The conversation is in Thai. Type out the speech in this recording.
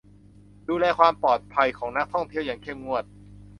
ดูแลความปลอดภัยของนักท่องเที่ยวอย่างเข้มงวด